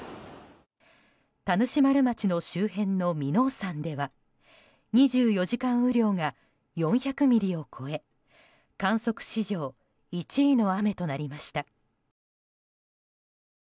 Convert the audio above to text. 田主丸町の周辺の耳納山では２４時間雨量が４００ミリを超え観測史上１位の雨となりました。